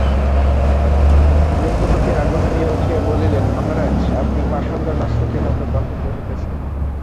রঘুপতি আগুন হইয়া উঠিয়া বলিলেন, মহারাজ, আপনি পাষণ্ড নাস্তিকের মতো কথা কহিতেছেন।